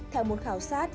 theo một khảo sát